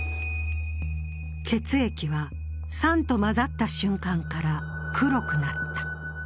血液は、酸と混ざった瞬間から黒くなった。